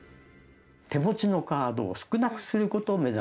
手持ちのカードを少なくすることを目指す。